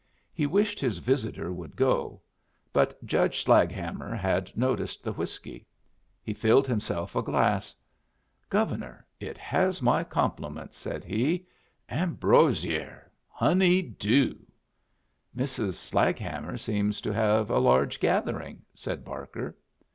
He wished this visitor would go. But Judge Slaghammer had noticed the whiskey. He filled himself a glass. "Governor, it has my compliments," said he. "Ambrosier. Honey doo." "Mrs. Slaghammer seems to have a large gathering," said Barker.